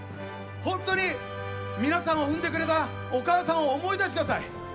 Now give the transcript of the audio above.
本当に皆さんを生んでくれたお母さんを思い出してください。